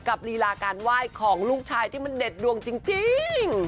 ลีลาการไหว้ของลูกชายที่มันเด็ดดวงจริง